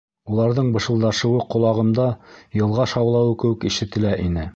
Уларҙың бышылдашыуы ҡолағымда йылға шаулауы кеүек ишетелә ине.